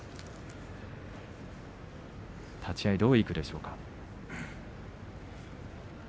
立ち合い、どういくでしょうか。